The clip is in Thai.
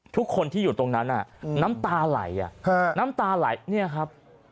ทุกคนที่อยู่ตรงนั้นน้ำตาไหล่นี่ครับ